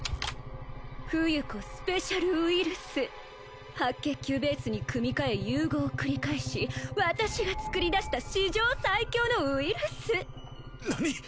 フユコスペシャルウイルス白血球ベースに組み換え融合を繰り返し私がつくりだした史上最強のウイルス何！？